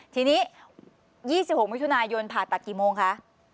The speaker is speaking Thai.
ทีนี้๒๖มิถุนายนผ่าตัดกี่โมงคะ